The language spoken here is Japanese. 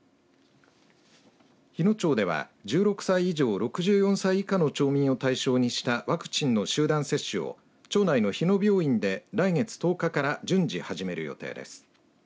日野町では１６歳以上６４歳以下の町民を対象にしたワクチンの集団接種を町内の日野病院で来月１０日から順次、始める予定です。